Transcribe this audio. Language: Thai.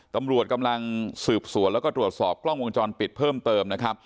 ตำรวจกำลังสืบสวนแล้วก็ตรวจสอบกล้องวงจรปิดเพิ่มเติมนะครับ